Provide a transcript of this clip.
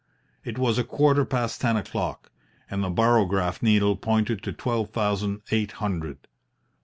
It was a quarter past ten o'clock, and the barograph needle pointed to twelve thousand eight hundred.